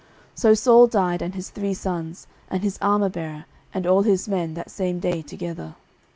09:031:006 So Saul died, and his three sons, and his armourbearer, and all his men, that same day together.